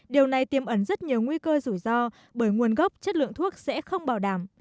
điều này tiêm ẩn rất nhiều nguy cơ rủi ro bởi nguồn gốc chất lượng thuốc sẽ không bảo đảm